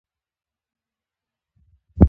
افغانستان د بامیان لپاره مشهور دی.